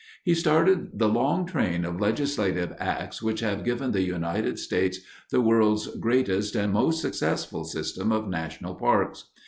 He started the long train of legislative acts which have given the United States the world's greatest and most successful system of national parks.